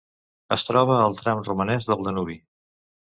Es troba al tram romanès del Danubi.